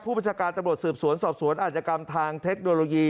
ประชาการตำรวจสืบสวนสอบสวนอาจกรรมทางเทคโนโลยี